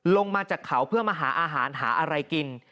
ลงมาจากเขาเพื่อมาหาอาหารหาอะไรกิน